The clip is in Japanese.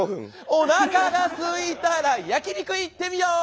おなかがすいたら焼き肉いってみよう！